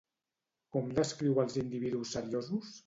Com descriu als individus seriosos?